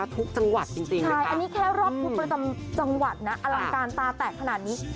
คือตรงประจำจังหวัดอลังการตาแตกขนาดนี้